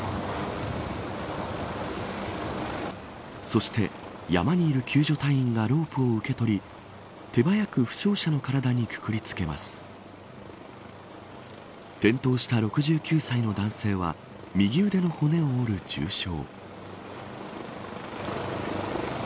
そして山にいる救助隊員がロープを受け取り手早く負傷者の体にくくりつけます転倒した６９歳の男性は右腕の骨を折る重傷。